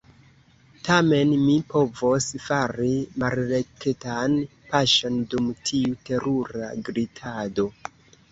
Tamen, mi povos fari malrektan paŝon dum tiu terura glitado.